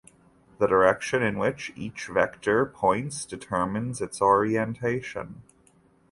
The direction in which each vector points determines its orientation.